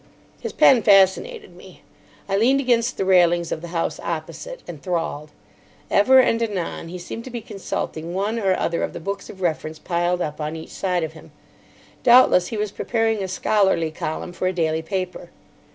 His pen fascinated me. I leaned against the railings of the house opposite, enthralled. Ever and anon he seemed to be consulting one or other of the books of reference piled up on each side of him. Doubtless he was preparing a scholarly column for a daily paper.